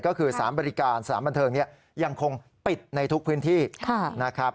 ก็คือสารบริการสถานบันเทิงยังคงปิดในทุกพื้นที่นะครับ